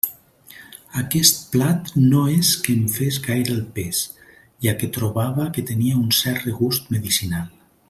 Aquest plat no és que em fes gaire el pes, ja que trobava que tenia un cert regust medicinal.